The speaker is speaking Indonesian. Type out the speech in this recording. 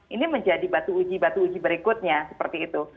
ini menjadi batu uji batu uji berikutnya seperti itu